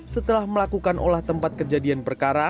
setelah melakukan olah tempat kejadiannya